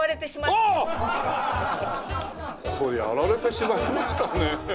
これやられてしまいましたね。